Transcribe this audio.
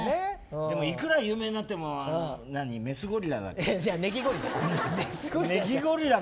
でも、いくら有名になってもネギゴリラ。